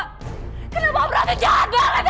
kenapa om raffi jahat banget